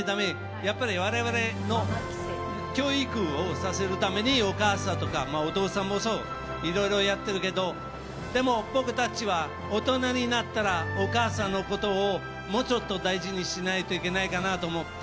やっぱり我々に教育をするためにお母さんとかお父さんもそういろいろやってるけどでも、僕たちは大人になったらお母さんのことをもうちょっと大事にしないといけないかなと思って。